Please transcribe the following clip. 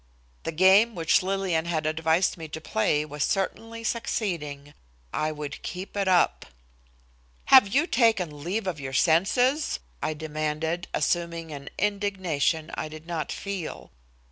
The game which Lillian had advised me to play was certainly succeeding. I would keep it up. "Have you taken leave of your senses?" I demanded, assuming an indignation I did not feel. "Dr.